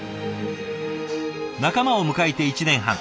仲間を迎えて１年半。